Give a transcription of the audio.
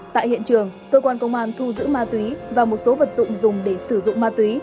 tại hiện trường cơ quan công an thu giữ ma túy và một số vật dụng dùng để sử dụng ma túy